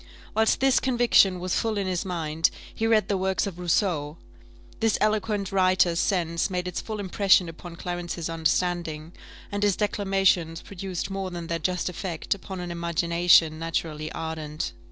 Whilst this conviction was full in his mind, he read the works of Rousseau: this eloquent writer's sense made its full impression upon Clarence's understanding, and his declamations produced more than their just effect upon an imagination naturally ardent.